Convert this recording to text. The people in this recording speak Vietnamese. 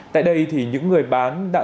tại đây thì những người bán đặt